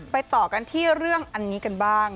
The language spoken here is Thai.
ต่อกันที่เรื่องอันนี้กันบ้าง